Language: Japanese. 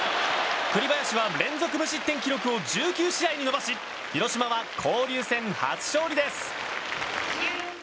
栗林は連続無失点記録を１９試合に伸ばし広島は交流戦初勝利です。